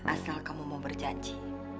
asal kamu mau berjanji